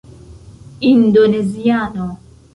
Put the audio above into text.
indoneziano